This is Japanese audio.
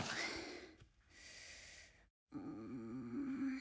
うん。